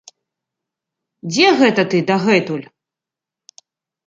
Дзе гэта ты дагэтуль?